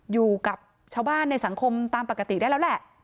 อยู่กับชาวบ้านในสังคมตามปกติได้แล้วแหละ